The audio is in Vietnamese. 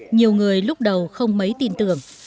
nhiều người lúc đầu không mấy tin tưởng